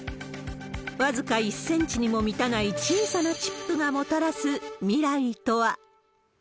僅か１センチにも満たない小さなチップがもたらす未来とは。